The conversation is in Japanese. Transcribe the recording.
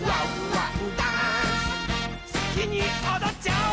すきにおどっちゃおう！